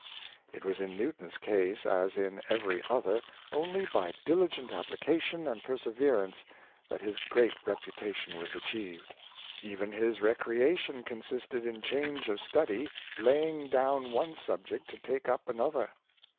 It was in Newton's case as in every other, only by diligent application and per severance that his great reputation was achieved. Even his recreation consisted in change of study, lay ing down one subject to take up another.